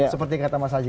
seperti kata mas haji